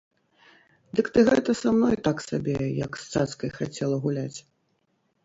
Дык ты гэта са мной так сабе, як з цацкай, хацела гуляць?